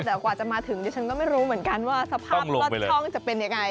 แต่กว่าจะมาถึงดิฉันก็ไม่รู้เหมือนกันว่าสภาพลอดช่องจะเป็นยังไง